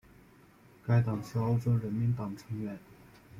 该党是欧洲人民党成员。